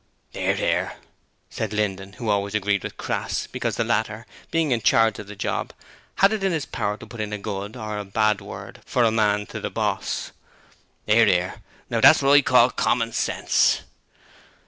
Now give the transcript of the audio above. ''Ear, 'ear,' said Linden, who always agreed with Crass, because the latter, being in charge of the job, had it in his power to put in a good or a bad word for a man to the boss. ''Ear, 'ear! Now that's wot I call common sense.'